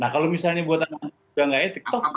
nah kalau misalnya buat anak anak muda enggak etik